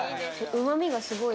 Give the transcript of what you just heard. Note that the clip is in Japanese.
うまみがすごい。